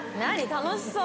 楽しそう。